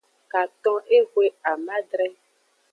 Katon ehwe amadre.